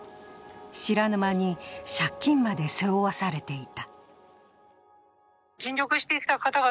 知らぬ間に借金まで背負わされていた。